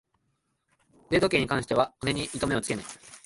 腕時計に関しては金に糸目をつけない